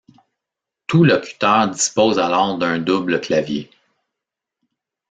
Tout locuteur dispose alors d’un double clavier.